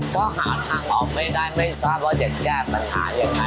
ก็หาทางออกไม่ได้ไม่ทราบว่าจะแก้ปัญหายังไง